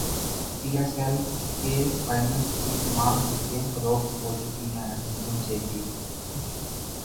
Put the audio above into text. پی S L کے final کی تمام ٹکٹیں فروخت ہوچکی ہیں نجم سیٹھی